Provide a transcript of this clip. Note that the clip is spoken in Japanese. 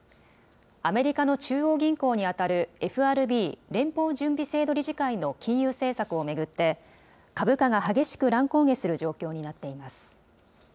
アメリカの中央銀行に当たるＦＲＢ・連邦準備制度理事会の金融政策を巡って、株価が激しく乱高下する状況になっています。